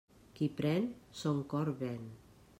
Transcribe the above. Qui pren, son cor ven.